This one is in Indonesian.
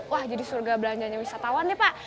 wah jadi surga belanjaan wisatawan pak